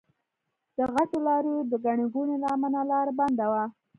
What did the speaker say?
د غټو لاريو د ګڼې ګوڼې له امله لار بنده وه.